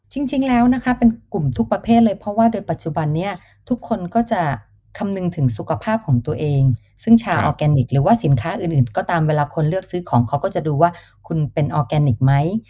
จริงแล้วนะคะเป็นกลุ่มทุกประเภทเลยเพราะว่าโดยปัจจุบันนี้ทุกคนก็จะคำนึงถึงสุขภาพของตัวเองซึ่งชาวออร์แกนิคหรือว่าสินค้าอื่นก็ตามเวลาคนเลือกซื้อของเขาก็จะดูว่าคุณเป็นออร์แกนิคไหม